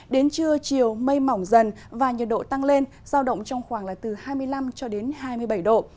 đến trưa chiều mây mỏng dần và nhiệt độ tăng lên giao động trong khoảng hai mươi năm hai mươi bảy độ